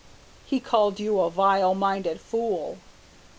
"He called you a vile minded fool."